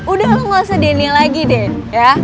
udah lo gak usah dene lagi deh ya